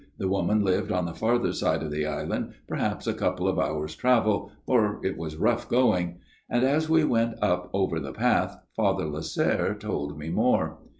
" The woman lived on the farther side of the island, perhaps a couple of hours' travel, for it was rough going ; and as we went up over the path, Father Lasserre told me more.